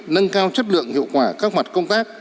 nâng cao chất lượng hiệu quả các mặt công tác